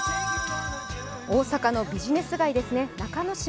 大阪のビジネス街ですね、中之島。